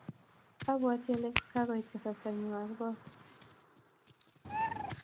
Abwati ale kakoit kasartannyu aal kot.